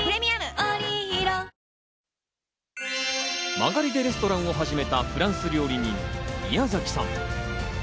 間借りでレストランを始めたフランス料理人・宮崎さん。